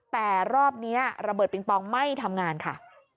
แต่รอบนี้ระเบิดปิงปองไม่ทำงานค่ะ